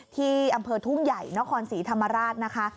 ที่อำเภอทุ่งใหญ่นครศรีธรรมราชนะคะ